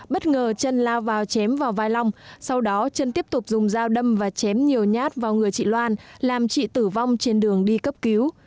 bất ngờ trân lao vào chém vào vai long sau đó trân tiếp tục dùng dao đâm và chém nhiều nhát vào người chị loan làm chị tử vong trên đường đi cấp cứu